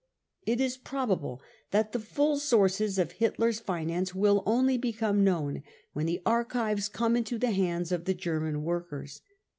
It is probable that the full sources of Hitler's finance will only become known when the archives come into the hands of the German workers.